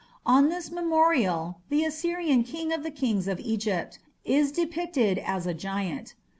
On this memorial the Assyrian "King of the kings of Egypt" is depicted as a giant.